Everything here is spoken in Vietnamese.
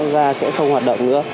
ga sẽ không hoạt động nữa